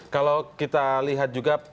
kalau kita lihat juga